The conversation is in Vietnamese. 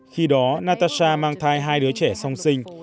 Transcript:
khi đó natasa mang thai hai đứa trẻ song sinh